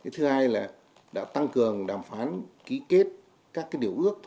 thứ hai là đã tăng cường đàm phán ký kết các điều ước